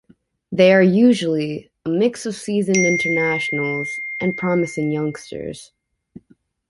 They are usually, a mix of seasoned internationals, and promising youngsters.